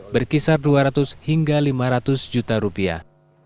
berkisar dua ratus hingga lima ratus juta rupiah